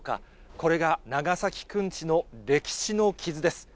これが長崎くんちの歴史の傷です。